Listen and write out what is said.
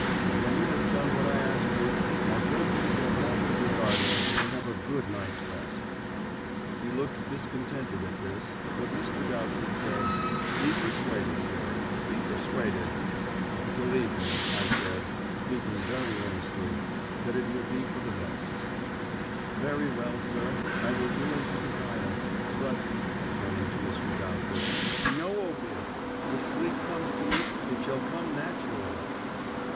And when you have done what I ask you, I beg you to go home with your guardian, and have a good night's rest." He looked discontented at this, but Mr. Dowsett said, "Be persuaded, George, be persuaded!" "Believe me," I said, speaking very earnestly, "that it will be for the best." "Very well, sir. I will do as you desire. But" turning to Mr. Dowsett "no opiates. If sleep comes to me, it shall come naturally."